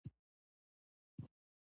ځغاسته د وینې د ښه جریان سبب ده